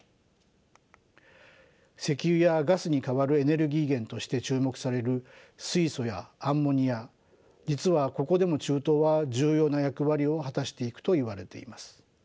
石油やガスに代わるエネルギー源として注目される水素やアンモニア実はここでも中東は重要な役割を果たしていくといわれています。